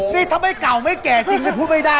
นี่ถ้าไม่เก่าไม่แก่จริงนี่พูดไม่ได้